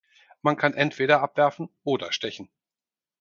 Man kann entweder abwerfen oder stechen.